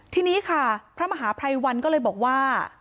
ทีนี้ค่ะพระมหาภัยวันก็เลยบอกว่า